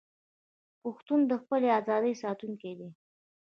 پښتون د خپلې ازادۍ ساتونکی دی.